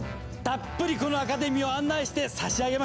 たっぷりこのアカデミーを案内してさしあげましょう！